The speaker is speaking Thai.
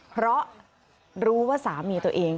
เพราะรู้ว่าสามีตัวเอง